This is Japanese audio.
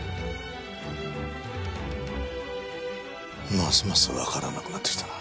ますますわからなくなってきたな。